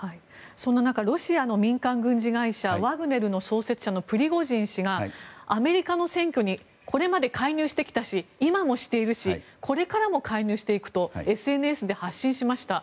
そんな中、ロシアの民間軍事会社ワグネルの創設者のプリゴジン氏がアメリカの選挙にこれまで介入してきたし今もしているしこれからも介入していくとＳＮＳで発信しました。